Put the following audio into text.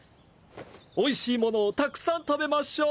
おいしいものをたくさん食べましょう！